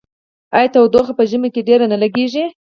آیا تودوخه په ژمي کې ډیره نه لګیږي؟